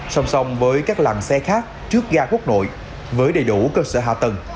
song song với các làng xe khác trước ga quốc nội với đầy đủ cơ sở hạ tầng